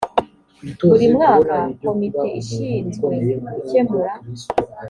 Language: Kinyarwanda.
buri mwaka komite ishizwe gukemura